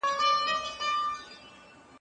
افغانستان په خاص ډول کابل او کندهار.